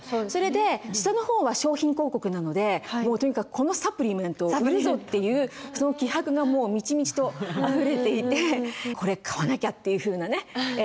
それで下の方は商品広告なのでもうとにかく「このサプリメントを売るぞ！」っていうその気迫がもう満ち満ちとあふれていて「これ買わなきゃ！」っていうふうなね